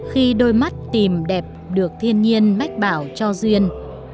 khi đôi mắt tìm đẹp được thiên nhiên mách bảo cho duyên